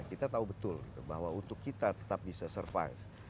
kita tahu betul bahwa untuk kita tetap bisa survive